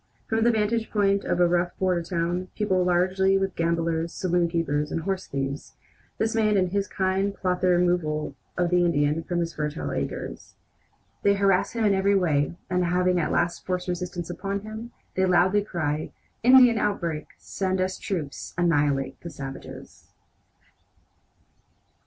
From the vantage point of a rough border town, peopled largely with gamblers, saloonkeepers, and horse thieves, this man and his kind plot the removal of the Indian from his fertile acres. They harass him in every way, and having at last forced resistance upon him, they loudly cry: "Indian outbreak! Send us troops! Annihilate the savages!"